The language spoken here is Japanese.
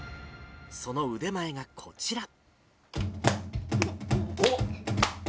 その腕前がこちら。